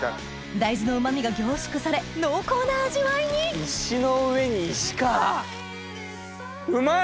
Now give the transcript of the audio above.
大豆のうまみが凝縮され濃厚な味わいに石の上に石かぁ！うまい！